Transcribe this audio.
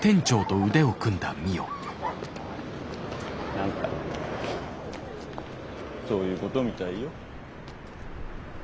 何かそういうことみたいよ。